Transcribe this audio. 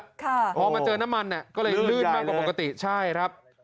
พอมาเจอน้ำมันเนี่ยก็เลยลื่นมากกว่าปกติใช่ครับ